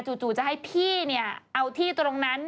จู่จะให้พี่เอาที่ตรงนั้น